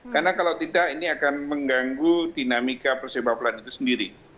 karena kalau tidak ini akan mengganggu dinamika persebawahan itu sendiri